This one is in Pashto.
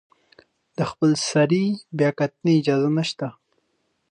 د خپلسرې بیاکتنې اجازه نشته.